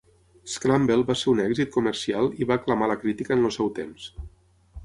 "Scramble" va ser un èxit comercial i va aclamar la crítica en el seu temps.